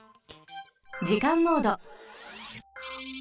じかんモード。